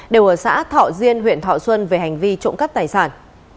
đều ở xã thọ diên huyện thọ xuân về hành vi trộm cắp tài sản